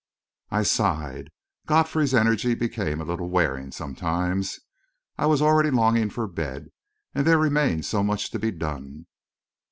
I sighed. Godfrey's energy became a little wearing sometimes. I was already longing for bed, and there remained so much to be done.